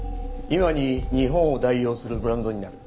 今に日本を代表するブランドになる。